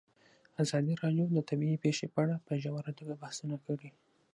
ازادي راډیو د طبیعي پېښې په اړه په ژوره توګه بحثونه کړي.